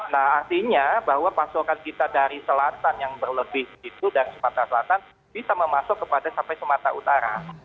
nah artinya bahwa pasokan kita dari selatan yang berlebih itu dari sumatera selatan bisa memasuk kepada sampai sumatera utara